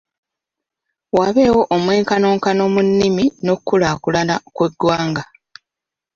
Wabeewo omwenkanonkano mu nnimi n'okukulaakulana kw'eggwanga.